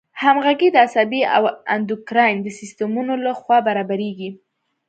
همغږي د عصبي او اندوکراین د سیستمونو له خوا برابریږي.